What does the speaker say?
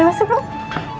astaga jadi kurang mya